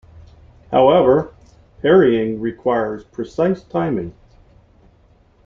However, parrying requires precise timing.